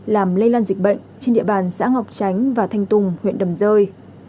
làm lây lan dịch bệnh trên địa bàn xã ngọc tránh và thanh tùng huyện đầm rơi